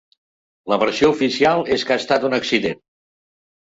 La versió oficial és que ha estat un accident.